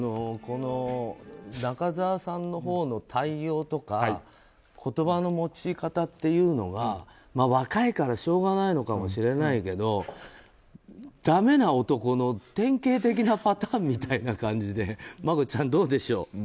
中澤さんのほうの対応とか言葉の持ち方っていうのが若いからしょうがないのかもしれないけどだめな男の典型的なパターンみたいな感じでマコちゃん、どうでしょう。